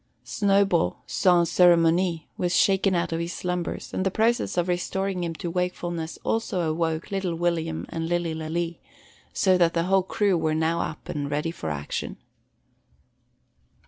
Snowball, sans ceremonie, was shaken out of his slumbers; and the process of restoring him to wakefulness also awoke little William and Lilly Lalee, so that the whole crew were now up and ready for action.